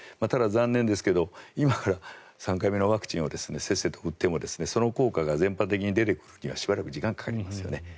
ただ、残念ですが今から３回目のワクチンをせっせと打ってもその効果が全般的に出てくるにはしばらく時間がかかりますよね。